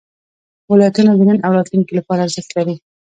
ولایتونه د نن او راتلونکي لپاره ارزښت لري.